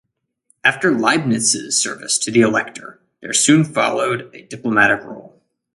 After Leibniz's service to the Elector there soon followed a diplomatic role.